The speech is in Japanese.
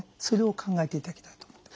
それを考えていただきたいと。